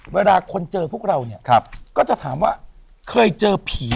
เวลาคนเจอผู้ชมที่มีอายุ๑๓ปี